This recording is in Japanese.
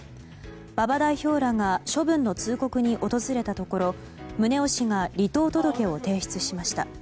馬場代表らが処分の通告に訪れたところ宗男氏が離党届を提出しました。